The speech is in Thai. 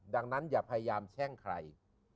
ดังนั้นอย่าพยายามแช่งใคร